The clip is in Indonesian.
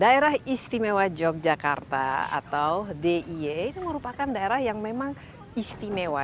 daerah istimewa yogyakarta atau dia ini merupakan daerah yang memang istimewa